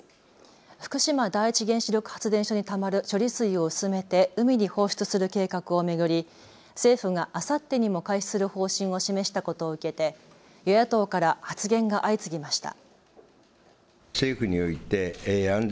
福島第一原子力発電所にたまる処理水を薄めて海に放出する計画を巡り政府があさってにも開始する方針を示したことを受けて与野党から発言が相次ぎました。